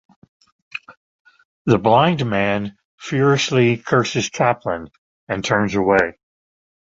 The blind man furiously curses Chaplin and turns away.